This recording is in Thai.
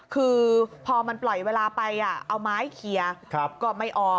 คือพอมันปล่อยเวลาไปเอาไม้เคลียร์ก็ไม่ออก